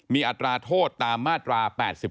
มีอัตราโทษตามมาตรา๘๔